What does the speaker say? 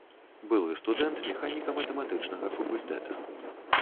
Былы студэнт механіка-матэматычнага факультэта.